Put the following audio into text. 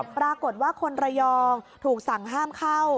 ปรากฏว่าคนระยองถูกสั่งห้ามเข้า